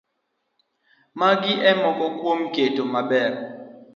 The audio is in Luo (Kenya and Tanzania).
Magi e moko kuom keto maber